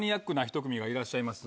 がいらっしゃいます